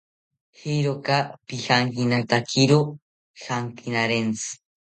Eeeroka pijankinatakiro jankinarentzi